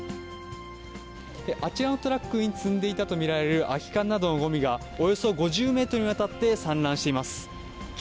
あちらのトラックに積んでいたと見られる空き缶などのごみが、およそ５０メートルにわたって散乱しています。